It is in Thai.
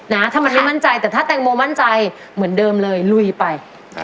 นะถ้ามันไม่มั่นใจแต่ถ้าแตงโมมั่นใจเหมือนเดิมเลยลุยไป